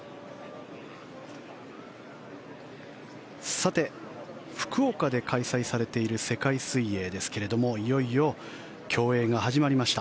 さて、福岡で開催されている世界水泳ですがいよいよ競泳が始まりました。